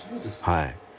はい。